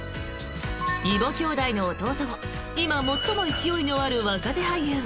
異母兄弟の弟を今、最も勢いのある若手俳優